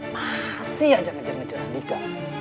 masih aja ngejar ngejar andika